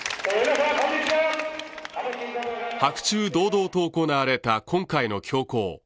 白昼堂々と行われた今回の凶行。